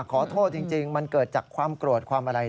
ขอโทษจริงมันเกิดจากความโกรธ